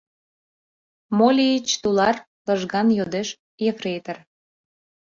— Мо лийыч, тулар? — лыжган йодеш ефрейтор.